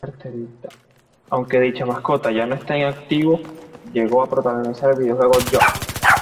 Aunque dicha mascota ya no está en activo, llegó a protagonizar el videojuego "Yo!